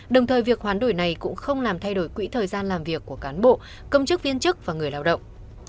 đồng thời việc hoán đổi này cũng không làm thay đổi quỹ thời gian làm việc của cán bộ công chức viên chức và người lao động